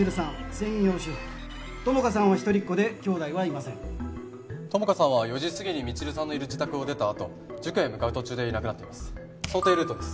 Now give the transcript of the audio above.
専業主婦友果さんは一人っ子で兄弟はいません友果さんは４時すぎに未知留さんのいる自宅を出たあと塾へ向かう途中でいなくなっています想定ルートです